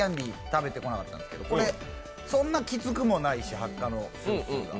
食べてこなかったんですけどこれ、そんなきつくもないしハッカのスースーが。